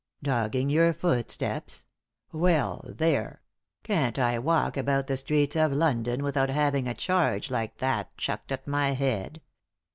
" Dogging your footsteps I Well I There I Can't I walk about the streets of London without having a charge like that chucked at my head